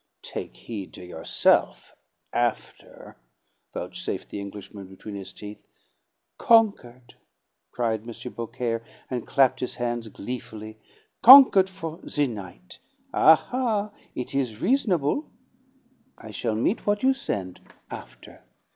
"Take heed to yourself after!" vouchsafed the Englishman between his teeth. "Conquered!" cried M. Beaucaire, and clapped his hands gleefully. "Conquered for the night! Aha, it ts riz'nable! I shall meet what you send after.